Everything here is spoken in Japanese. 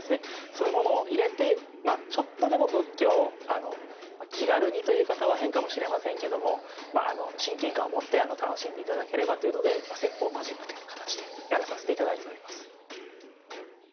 そういうものを入れてまあちょっとでも仏教を気軽にという言い方は変かもしれませんけども親近感を持って楽しんで頂ければというので説法マジックという形でやらさせて頂いております。